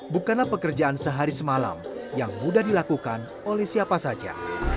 bukanlah pekerjaan sehari semalam yang mudah dilakukan oleh siapa saja